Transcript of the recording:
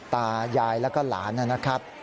ตายายแล้วก็หลานนะครับ